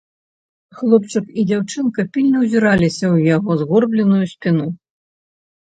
Хлопчык і дзяўчынка пільна ўзіраліся ў яго згорбленую спіну.